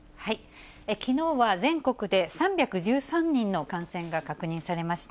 きのうは全国で３１３人の感染が確認されました。